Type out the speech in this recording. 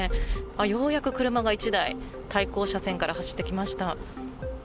ようやく車が１台対向車線から走ってきました。